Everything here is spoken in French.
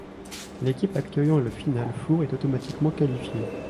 L'équipe accueillant le Final Four est automatiquement qualifiée.